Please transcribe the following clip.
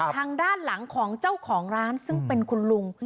ทางด้านหลังของเจ้าของร้านซึ่งเป็นคุณลุง